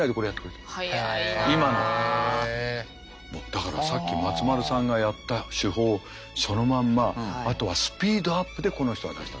だからさっき松丸さんがやった手法そのまんまあとはスピードアップでこの人は出した。